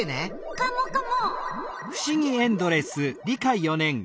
カモカモ！